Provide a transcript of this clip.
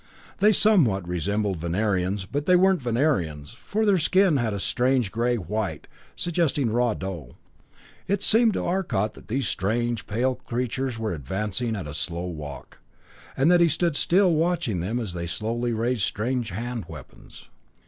They somewhat resembled Venerians, but they weren't Venerians, for their skin was a strange gray white, suggesting raw dough. It seemed to Arcot that these strange, pale creatures were advancing at a slow walk, and that he stood still watching them as they slowly raised strange hand weapons.